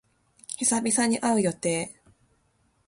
久々に会う予定。